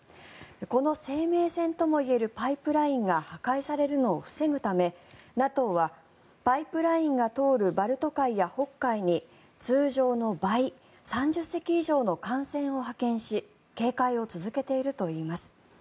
この生命線ともいえるパイプラインが破壊されるのを防ぐためＮＡＴＯはパイプラインが通るバルト海や北海に通常の倍３０隻以上の艦船を派遣し警戒を続けているといいます。